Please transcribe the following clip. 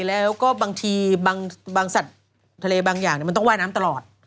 แล้วก็บางทีบางสัตว์ทะเลบางอย่างมันต้องว่ายน้ำตลอด